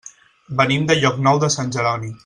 Venim de Llocnou de Sant Jeroni.